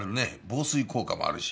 防水効果もあるし。